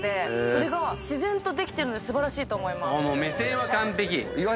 それが自然とできてるので素晴らしいと思います。